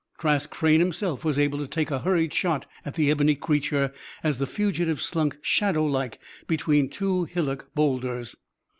Trask Frayne himself was able to take a hurried shot at the ebony creature as the fugitive slunk shadowlike between two hillock boulders.